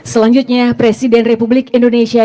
selanjutnya presiden republik indonesia